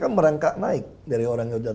saya merangkak naik dari orang yang jatuh